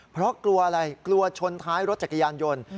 เพราะกลัวอะไรกลัวชนท้ายรถจักรยานยนต์